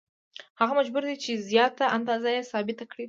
هغه مجبور دی چې زیاته اندازه یې ثابته کړي